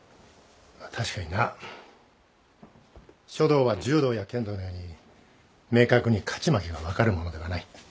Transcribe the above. まあ確かにな書道は柔道や剣道のように明確に勝ち負けが分かるものではない。